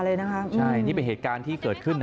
เออดูเขาเหนื่อยแล้วน่ะ